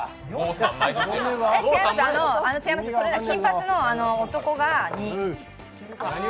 金髪の男が２。